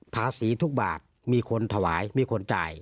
ภาษีทุกบาทมีคนถวายมีคนจ่าย